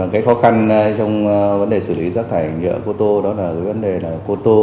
cái khó khăn trong vấn đề xử lý rác thải nhựa ô tô đó là vấn đề là cô tô